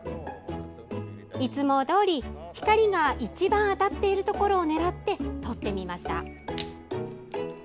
いつもどおり、光が一番当たっているところを狙って撮ってみました。